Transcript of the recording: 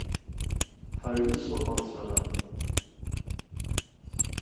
Ҳаҩны сыҟан сара.